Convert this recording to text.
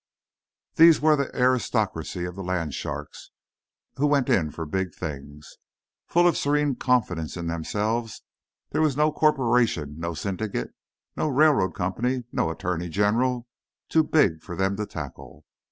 These were the aristocracy of the land sharks, who went in for big things. Full of serene confidence in themselves, there was no corporation, no syndicate, no railroad company or attorney general too big for them to tackle.